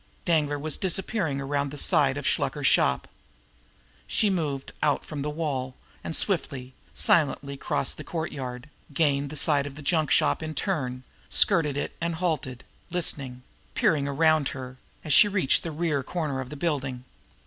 Danglar was disappearing around the side of Shluker's shop. She moved out from the wall, and swiftly, silently, crossed the courtyard, gained the side of the junk shop in turn, skirted it, and halted, listening, peering around her, as she reached the rear corner of the building.